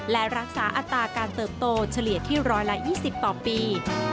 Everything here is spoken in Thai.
และรักษาอัตราการเติบโตเฉลี่ยที่๑๒๐ต่อปี